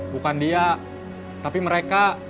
bukan dia tapi mereka